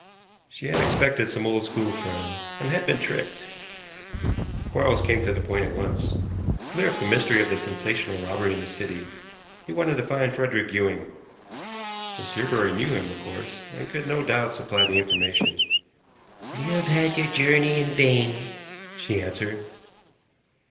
She had expected some old school friend, and had been tricked. Quarles came to the point at once. To clear up the mystery of the sensational robbery in the city, he wanted to find Frederick Ewing. Miss Yerbury knew him, of course, and could no doubt supply the information. "You have had your journey in vain," she answered.